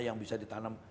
yang bisa ditanam